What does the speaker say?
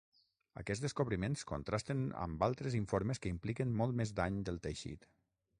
Aquests descobriments contrasten amb altres informes que impliquen molt més dany del teixit.